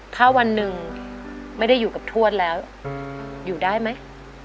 ถ้าวันหนึ่งไม่ได้อยู่กับทวดแล้วอยู่ได้ไหม